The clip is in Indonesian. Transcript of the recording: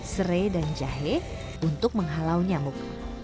serai dan jahe untuk menghalau nyamuk